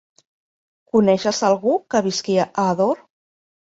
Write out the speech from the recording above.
Coneixes algú que visqui a Ador?